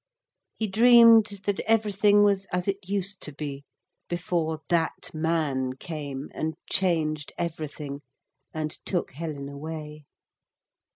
He dreamed that everything was as it used to be before That Man came and changed everything and took Helen away.